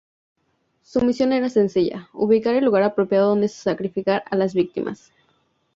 Su misión era sencilla: ubicar el lugar apropiado donde sacrificar a las víctimas.